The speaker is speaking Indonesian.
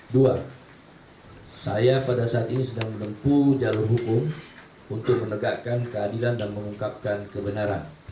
dua saya pada saat ini sedang menempuh jalur hukum untuk menegakkan keadilan dan mengungkapkan kebenaran